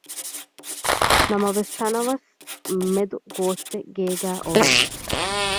ނަމަވެސް ތަނަވަސް މެދު ގޯއްޗެއް ގޭގައި އޮވެ